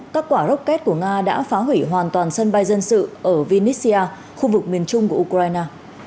các quả rocket của nga đã phá hủy hoàn toàn sân bay dân sự ở venice khu vực miền trung của ukraine